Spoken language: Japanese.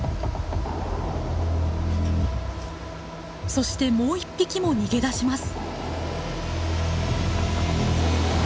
そしてもう１匹も逃げ出します。